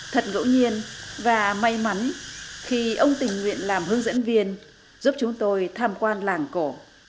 thật ngẫu nhiên và may mắn khi ông tình nguyện làm hướng dẫn viên giúp chúng tôi tham quan làng cổ